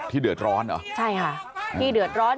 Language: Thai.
ที่เดิดร้อน